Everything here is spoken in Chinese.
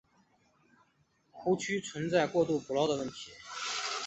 湖区存在过度捕捞的问题。